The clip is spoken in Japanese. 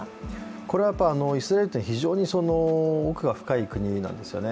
これはやっぱりイスラエルというのは非常に奥が深い国なんですよね。